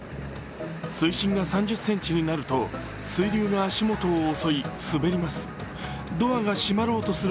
水深が３０ｃｍになると水流が足元を襲い、滑ります。